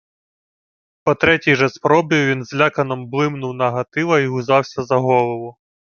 По третій же спробі він злякано блимнув на Гатила й узявся за голову: